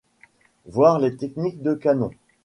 Voir les techniques de Kanon.